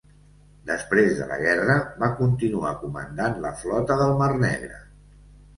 Després de la guerra va continuar comandant la Flota del Mar Negre.